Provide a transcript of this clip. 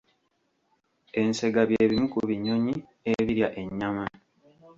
Ensega bye bimu kubinnyonyi ebirya ennyama.